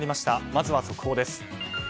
まずは速報です。